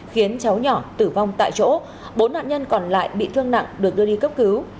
khiến cháu nhỏ tử vong tại chỗ bốn nạn nhân còn lại bị thương nặng được đưa đi cấp cứu